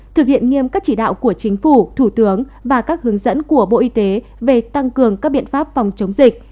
thực hiện nghiêm các chỉ đạo của chính phủ thủ tướng và các hướng dẫn của bộ y tế về tăng cường các biện pháp phòng chống dịch